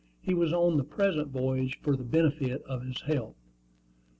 He was on the present voyage for the benefit of his health.